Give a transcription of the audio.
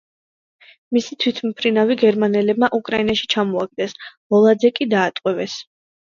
მისი თვითმფრინავი გერმანელებმა უკრაინაში ჩამოაგდეს, ლოლაძე კი დაატყვევეს.